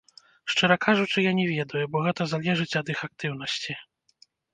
Шчыра кажучы, я не ведаю, бо гэта залежыць ад іх актыўнасці.